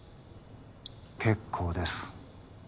結構です